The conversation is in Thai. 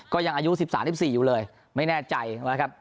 ก็ยังอายุสิบสามสิบสี่อยู่เลยไม่แน่ใจนะครับ